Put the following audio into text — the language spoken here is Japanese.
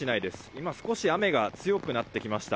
今、少し雨が強くなってきました。